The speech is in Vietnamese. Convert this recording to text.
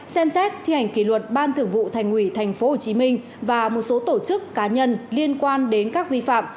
ba xem xét thi hành kỷ luật ban thường vụ thành ủy tp hcm và một số tổ chức cá nhân liên quan đến các vi phạm